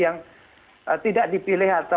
yang tidak dipilih